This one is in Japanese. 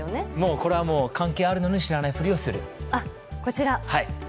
これは、関係あるのに知らないふりをする。